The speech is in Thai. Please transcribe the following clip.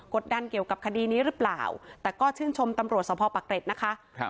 ดันเกี่ยวกับคดีนี้หรือเปล่าแต่ก็ชื่นชมตำรวจสภปะเกร็ดนะคะครับ